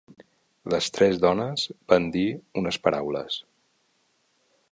Les tres dones van dir unes paraules.